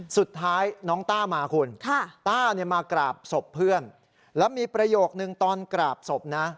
สุดท้ายน้องต้ามาคุณต้าเนี่ยมากราบศพเพื่อนแล้วมีประโยคนึงตอนกราบศพนะ